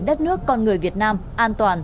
đất nước con người việt nam an toàn